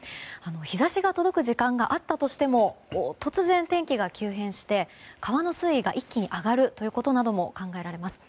日差しが届く時間があったとしても突然、天気が急変して川の水位が一気に上がることも考えられます。